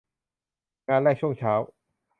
งานแรกช่วงเช้า